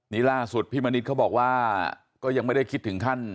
นี่ล่าสุดพี่มณิษฐ์เขาบอกว่าก็ยังไม่ได้คิดถึงขั้น